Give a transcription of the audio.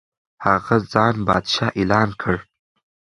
هغه ځان پادشاه اعلان کړ.